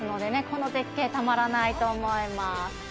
この絶景たまらないと思います